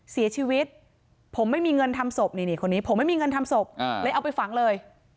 เสียชีวิตผมไม่มีเงินทำศพนี่คนนี้ผมไม่มีเงินทำศพเลยเอาไปฝังเลย